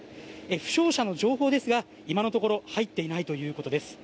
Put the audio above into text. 負傷者の情報ですが今のところ入っていないということです。